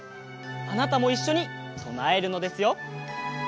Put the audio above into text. あなたもいっしょにとなえるのですよ。